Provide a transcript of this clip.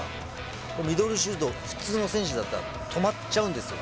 ミドルシュート、普通の選手だったら、止まっちゃうんですよね。